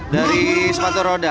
dari sepatu roda